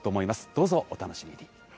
どうぞ、お楽しみに。